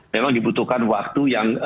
memang dibutuhkan waktu yang